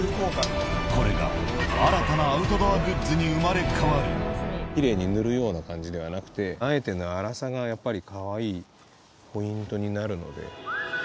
これが、新たなアウトドアグッズきれいに塗るような感じではなくて、あえての粗さがやっぱりかわいいポイントになるので。